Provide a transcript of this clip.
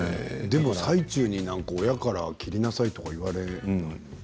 でも最中に切りなさいとか親から言われない？